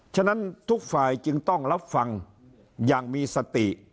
ฉะนั้นทุกฝ่ายจึงต้องรับฟังอย่างมีสติ